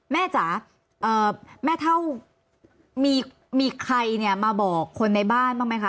จ๋าแม่เท่ามีใครเนี่ยมาบอกคนในบ้านบ้างไหมคะ